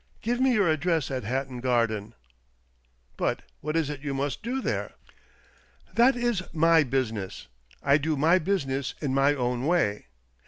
Give me your address at Hatton Garden." " But what is it vou must do there? "" That is my business. I do my business in my own way.